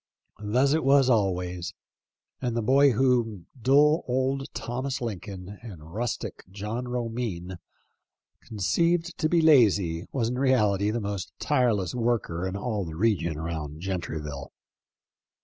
Thus it was always; and the boy whom dull old Thomas Lincoln and rustic John Romine conceived to be lazy was in reality the most tireless worker in all the region around Gentryville.